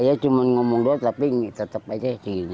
dia cuma ngomong doh tapi tetap aja begini